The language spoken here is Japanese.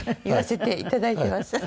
言わせていただいてます。